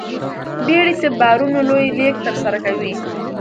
بیړۍ د بارونو لوی لېږد ترسره کوي.